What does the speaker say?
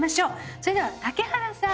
それでは竹原さん。